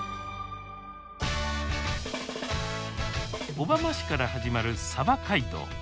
小浜市から始まる街道。